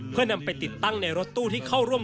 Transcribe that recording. เพื่อนำไปติดตั้งในรถตู้ที่เข้าร่วม